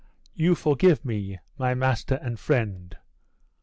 "You forgive me, my master and friend?"